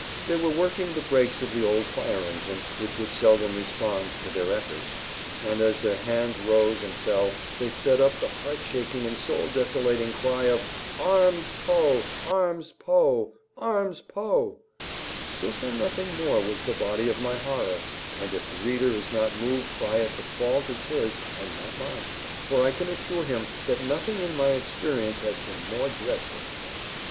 They were working the brakes of the old fire engine, which would seldom respond to their efforts, and as their hands rose and fell they set up the heart shaking and soul desolating cry of "Arms Poe! arms Poe! arms Poe!" This and nothing more was the body of my horror; and if the reader is not moved by it the fault is his and not mine; for I can assure him that nothing in my experience had been more dreadful to me.